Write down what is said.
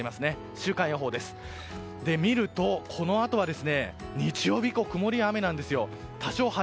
週間予報を見ると日曜日以降、曇りや雨なんですよ。